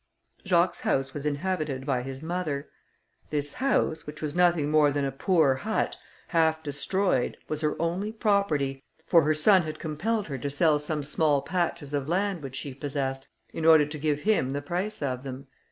Jacques's house was inhabited by his mother. This house, which was nothing more than a poor hut, half destroyed, was her only property, for her son had compelled her to sell some small patches of land which she possessed, in order to give him the price of them.